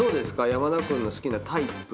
山田君の好きなタイプ。